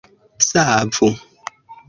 savu